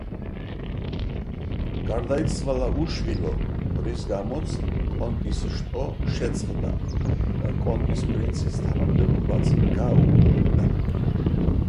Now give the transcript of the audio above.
გარდაიცვალა უშვილო, რის გამოც კონტის შტო შეწყდა და კონტის პრინცის თანამდებობაც გაუქმდა.